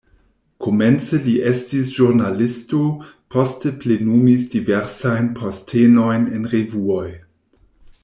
Komence li estis ĵurnalisto, poste plenumis diversajn postenojn en revuoj.